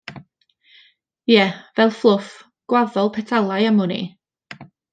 Ie, fel fflwff, gwaddol petalau am wn i.